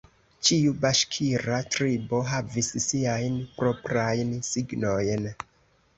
Ĉiu baŝkira tribo havis siajn proprajn signojn.